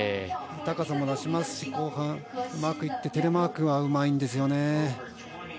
高さも出していますし後半、うまくいってテレマークもうまいんですよね。